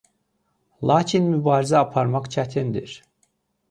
Lakin mübarizə aparmaq çətindir.